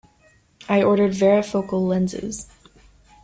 I ordered varifocal lenses.